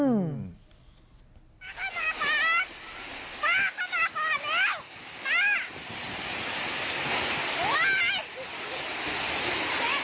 ฟ้าเข้ามาฟ้า